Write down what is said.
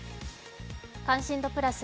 「関心度プラス」